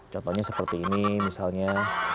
contohnya seperti ini misalnya